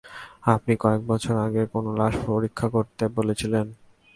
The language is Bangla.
আপনি কয়েক বছর আগে কোন লাশ পরীক্ষা করতে বলেছিলেন?